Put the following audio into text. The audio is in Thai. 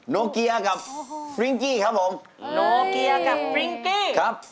โนเกียร์กับฟริ้งกี้ครับผมโนเกียกับฟริ้งกี้ครับ